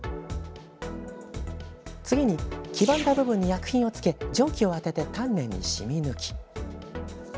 次に、黄ばんだ部分に薬品をつけ蒸気を当てて丹念に染み抜き。